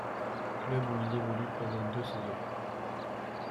Club où il évolue pendant deux saisons.